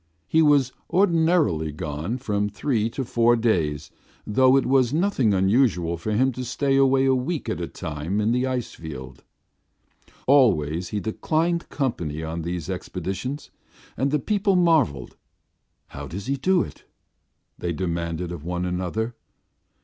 He was ordinarily gone from three to four days, though it was nothing unusual for him to stay away a week at a time on the ice field. Always he declined company on these expeditions, and the people marvelled. "How does he do it?" they demanded of one another.